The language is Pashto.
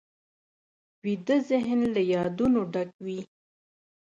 ویده ذهن له یادونو ډک وي